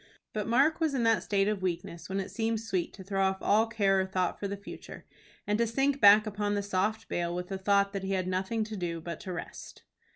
But Mark was in that state of weakness when it seemed sweet to throw off all care or thought for the future, and to sink back upon the soft bale with the thought that he had nothing to do but to rest.